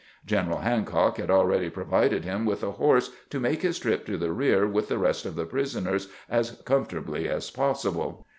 General Hancock had already provided him with a horse to make his trip to the rear with the rest of the prisoners as com fortably as possible.